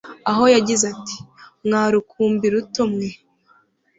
aho yagize ati : "mwa rukumbi ruto mwe,